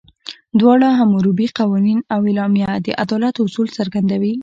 دواړه، حموربي قوانین او اعلامیه، د عدالت اصول څرګندوي.